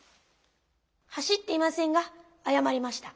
走っていませんがあやまりました。